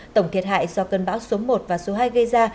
tổng thiệt hại do cơn bão số một và số hai gây ra